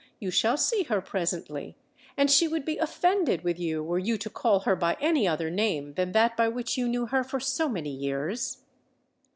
"You shall see her presently—and she would be offended with you were you to call her by any other name than that by which you knew her for so many years."